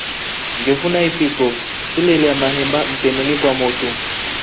Njofu na itiko silelya mahemba mtameni kwa motu.